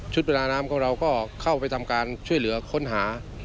เวลาน้ำของเราก็เข้าไปทำการช่วยเหลือค้นหา